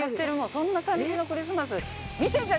そんな感じのクリスマス。